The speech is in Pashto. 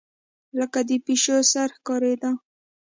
لکه د پيشو سر ښکارېدۀ